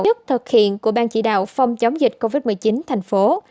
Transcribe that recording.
đức thực hiện của ban chỉ đạo phòng chống dịch covid một mươi chín thành phố